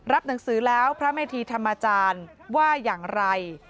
หนังสือแล้วพระเมธีธรรมจารย์ว่าอย่างไร